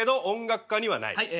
はい。